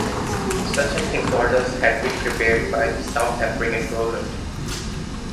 Such an exodus had been prepared for by the South African government.